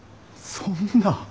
そんな！